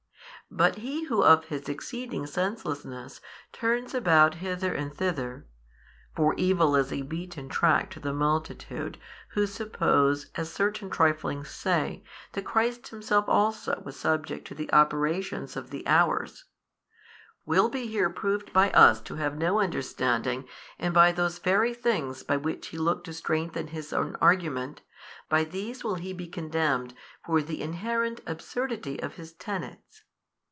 But he who of his exceeding senselessness turns about hither and thither (for evil is a beaten track to the multitude, who suppose, as certain trifling say, that Christ Himself also was subject to the operations of the hours,) will be here proved by us to have no understanding and by those very things by which he looked to strengthen his own argument, by these will he be condemned for the inherent absurdity of his tenets.